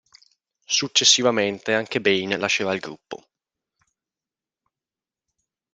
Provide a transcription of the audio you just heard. Successivamente, anche Bain lascerà il gruppo.